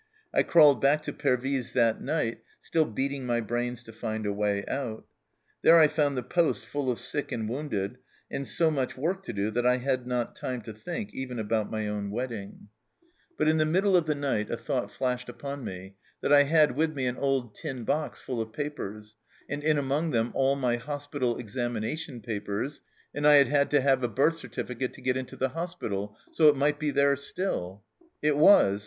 I crawled back to Pervyse that night, still beating my brains to find a way out. There I found the poste full of sick and wounded, and so much work to do that I had not time to think even about my own wedding. 33 258 THE CELLAR HOUSE OF PERVYSE " But in the middle of the night a thought flashed upon me that I had with me an old tin box full of papers, and in among them all my hospital examination papers, and I had had to have a birth certificate to get into the hospital, so it might be there still." It was